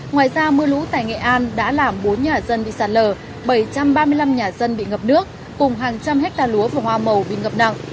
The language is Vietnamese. ngoài ra mưa lũ tại nghệ an đã làm bốn nhà dân bị sạt lở bảy trăm ba mươi năm nhà dân bị ngập nước cùng hàng trăm hectare lúa và hoa màu bị ngập nặng